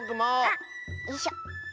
あっよいしょ。